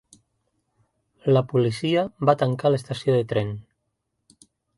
La policia va tancar l'estació de tren.